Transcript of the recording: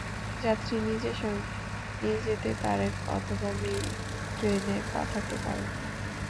যাত্রী নিজের সঙ্গে নিয়ে যেতে পারেন, অথবা মেইল ট্রেনে পাঠাতে পারেন।